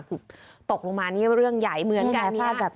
ถูกตกลงมานี่เรื่องใหญ่เหมือนกัน